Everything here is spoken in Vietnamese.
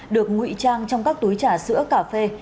được ngụy trang trong các túi trà sữa cà phê